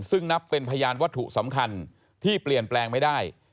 ซึ่งนับเป็นพยานวัตถุสำคัญที่เปลี่ยนแปลงไม่ได้